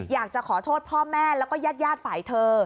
อยากจะขอโทษพ่อแม่แล้วก็ญาติฝ่ายเธอ